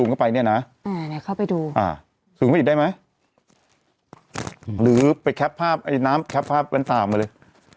นี่เข้าไปดูอ่าซูมไปอีกได้ไหมหรือไปแคร์ปภาพไอ้น้ำแคร์ปภาพแว่นฟามาเลย